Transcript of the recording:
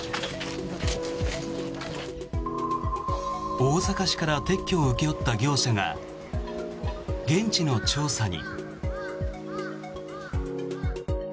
大阪市から撤去を請け負った業者が現地の調査に。